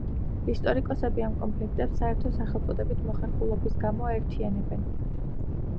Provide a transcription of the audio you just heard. ისტორიკოსები ამ კონფლიქტებს საერთო სახელწოდებით მოხერხებულობის გამო აერთიანებენ.